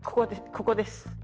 ここです。